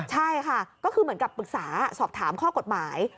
ใช่ค่ะก็คือเหมือนกับปรึกษาสอบถามข้อกฎหมาย